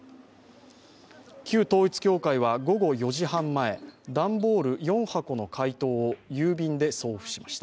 旧統一教会は午後４時半前段ボール４箱の回答を郵便で送付しました。